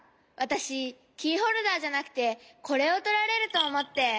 わたしキーホルダーじゃなくてこれをとられるとおもって。